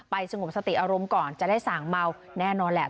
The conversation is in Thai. สงบสติอารมณ์ก่อนจะได้สั่งเมาแน่นอนแหละ